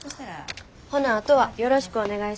ほなあとはよろしくお願いします。